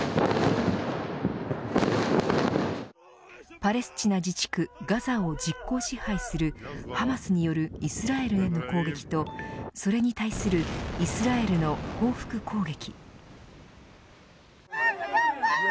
パレスチナ自治区ガザを実効支配するハマスによるイスラエルへの攻撃とそれに対するイスラエルの報復攻撃。